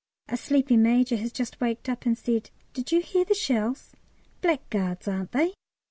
A sleepy major has just waked up and said, "Did you hear the shells? Blackguards, aren't they?"